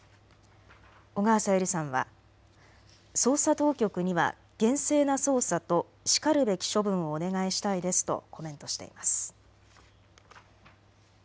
小川さゆりさんは、捜査当局には厳正な捜査としかるべき処分をお願いしたいですとコメントしています。